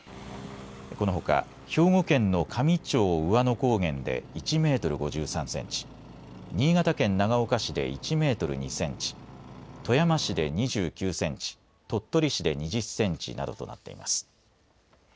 このほか兵庫県の香美町兎和野高原で１メートル５３センチ、新潟県長岡市で１メートル２センチ、富山市で２９センチ、鳥取市で２０センチなどとなっています。